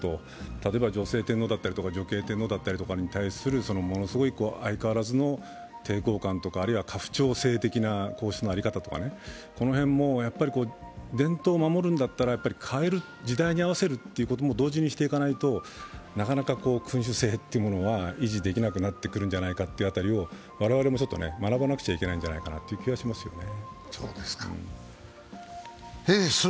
例えば女性天皇だったり女系天皇に対するものすごい相変わらずの抵抗感とか、あるいは家父長制的な皇室の在り方とかね、この辺も伝統を守るんだったら変える、時代に合わせるということを同時にしていかないと、なかなか君主制が維持できなくなってくるのではないかというところ、我々も学ばなくちゃいけないんじゃないかなという気がしますね。